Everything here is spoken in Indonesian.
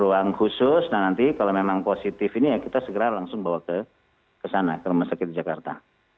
ruang khusus nah nanti kalau memang positif ini ya kita segera langsung bawa ke sana ke rumah sakit di jakarta